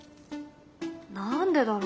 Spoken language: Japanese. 何でだろう？